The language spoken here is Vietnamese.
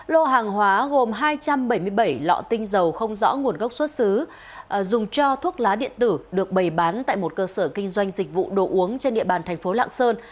lô hàng hóa gồm hai trăm bảy mươi bảy lọ tinh dầu không rõ nguồn gốc xuất xứ dùng cho thuốc lá điện tử được bày bán tại một cơ sở kinh doanh dịch vụ đồ uống trên địa bàn thành phố lạng sơn